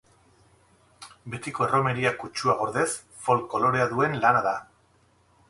Betiko erromeria kutsua gordez, folk kolorea duen lana da.